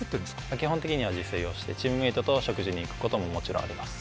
基本的には自炊をして、チームメートと食事に行くことももちろんあります。